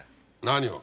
何を？